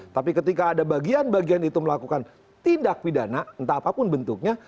tapi ketika ada bagian bagian itu melakukan tindak pidana entah apapun bentuknya